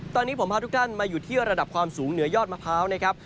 ตอนนี้ผมพาทุกท่านมาอยู่ที่ระดับความสูงเหนือยอดมะพร้าวนะครับ